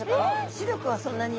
視力はそんなに。